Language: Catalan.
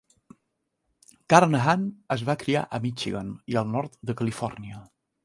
Carnahan es va criar a Michigan i el Nord de Califòrnia.